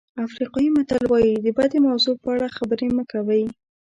افریقایي متل وایي د بدې موضوع په اړه خبرې مه کوئ.